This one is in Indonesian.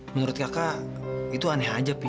menurut kakak itu aneh aja sih